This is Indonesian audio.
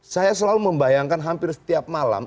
saya selalu membayangkan hampir setiap malam